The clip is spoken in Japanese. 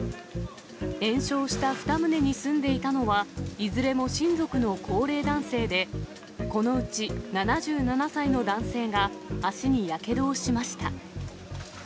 延焼した２棟に住んでいたのは、いずれも親族の高齢男性で、このうち７７歳の男性が、足にやけどをしました。